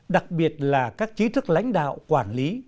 đặc biệt là các chí thức lãnh đạo quản lý